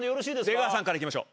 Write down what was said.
出川さんからいきましょう。